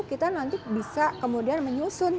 kita nanti bisa kemudian menyusun